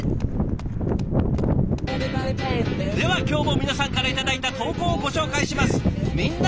では今日も皆さんから頂いた投稿をご紹介します。